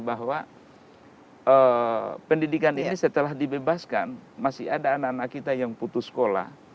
bahwa pendidikan ini setelah dibebaskan masih ada anak anak kita yang putus sekolah